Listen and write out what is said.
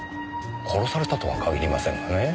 殺されたとは限りませんがね。